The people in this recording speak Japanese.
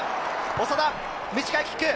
長田、短いキック。